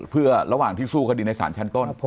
เพื่อระหว่างที่สู้คดีในศาลชั้นต้น